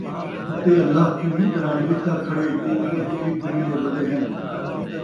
اَتے اللہ چنگی طرح ݙیکھدا کھڑے جو کُجھ اِیہ کریندے وَدے ہِن ۔